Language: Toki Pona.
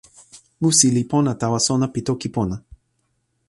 musi li pona tawa sona pi toki pona.